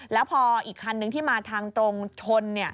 แล้วพออีกคันนึงที่มาทางตรงชน